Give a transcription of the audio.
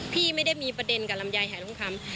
พี่ไม่ได้มีประเด็นกับลำไยหายทองคำ